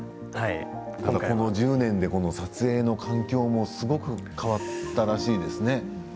この１０年で撮影の環境もすごく変わったらしいですね。